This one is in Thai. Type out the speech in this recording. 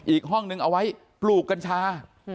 อีกห้องนึงเอาไว้ปลูกกัญชา